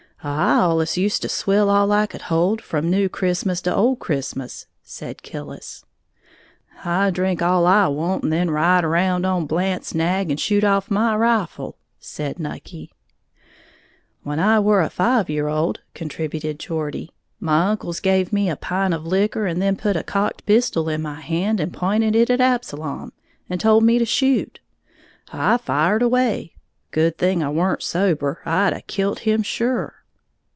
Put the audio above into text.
"I allus used to swill all I could hold, from New Christmas to Old Christmas," said Killis. "I drink all I want and then ride around on Blant's nag and shoot off my rifle," said Nucky. "When I were a five year old," contributed Geordie, "my uncles give me a pint of liquor, and then put a cocked pistol in my hand and p'inted it at Absalom, and told me to shoot. I fired away, good thing I weren't sober, I'd a kilt him sure!"